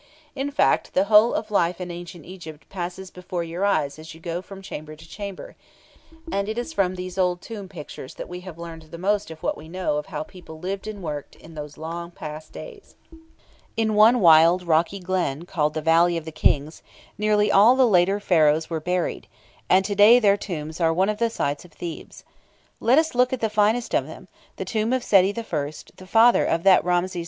In fact, the whole of life in Ancient Egypt passes before your eyes as you go from chamber to chamber, and it is from these old tomb pictures that we have learned the most of what we know of how people lived and worked in those long past days. In one wild rocky glen, called the "Valley of the Kings," nearly all the later Pharaohs were buried, and to day their tombs are one of the sights of Thebes. Let us look at the finest of them the tomb of Sety I., the father of that Ramses II.